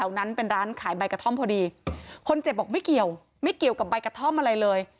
นั้นเป็นร้านขายใบกระท่อมพอดีคนเจ็บบอกไม่เกี่ยวไม่เกี่ยวกับใบกระท่อมอะไรเลย